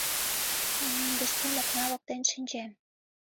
Мый мӧҥгыштем окна воктен шинчем.